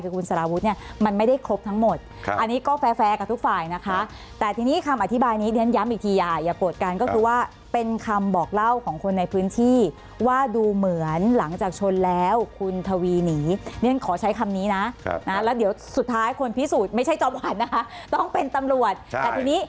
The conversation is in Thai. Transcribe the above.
คือคุณสารวุฒิเนี่ยมันไม่ได้ครบทั้งหมดอันนี้ก็แฟร์กับทุกฝ่ายนะคะแต่ทีนี้คำอธิบายนี้